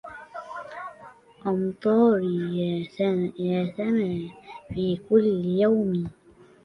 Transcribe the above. أمطري يا سماء في كل يوم